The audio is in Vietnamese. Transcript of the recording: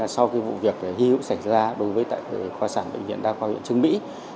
sau vụ việc hi hữu xảy ra đối với khoa sản bệnh viện đa khoa nguyễn trương mỹ